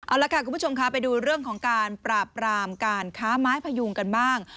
เอาละค่ะคุณผู้ชมค่ะไปดูเรื่องของการปราบรามการค้าไม้พยุงกันบ้าง